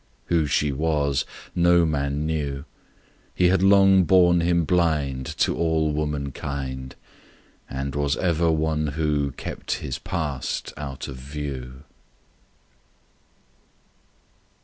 Who she was no man knew: He had long borne him blind To all womankind; And was ever one who Kept his past out of view.